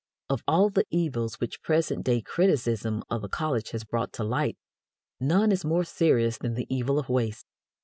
Of all the evils which present day criticism of the college has brought to light, none is more serious than the evil of waste.